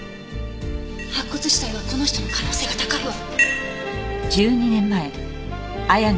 白骨死体はこの人の可能性が高いわ。